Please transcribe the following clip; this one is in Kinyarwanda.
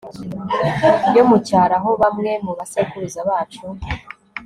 yo mu cyaro aho bamwe mu basekuruza bacu